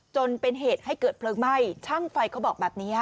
จนเป็นเหตุให้เกิดเพลิงไหม้ช่างไฟเขาบอกแบบนี้ค่ะ